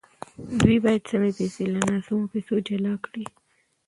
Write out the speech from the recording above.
دوی باید سمې پیسې له ناسمو پیسو جلا کړي